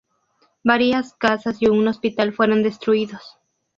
Varias casas y un hospital fueron destruidos.